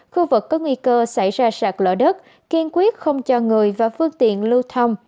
khu vực có nguy cơ xảy ra sạt lỡ đất kiên quyết không cho người và phương tiện lưu thông